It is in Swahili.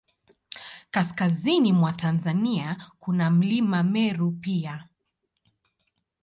Kaskazini mwa Tanzania, kuna Mlima Meru pia.